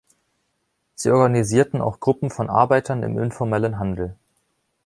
Sie organisierten auch Gruppen von Arbeitern im informellen Handel.